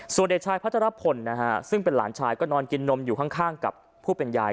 ส่วนเด็กชายพัชรพลนะฮะซึ่งเป็นหลานชายก็นอนกินนมอยู่ข้างกับผู้เป็นยาย